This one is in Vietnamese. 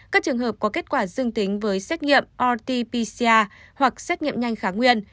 các trường hợp có kết quả dương tính với xét nghiệm rt pcr hoặc xét nghiệm nhanh kháng nguyên